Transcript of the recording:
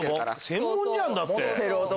専門じゃんだって。